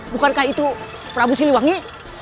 bukankah itu prabu siliwangi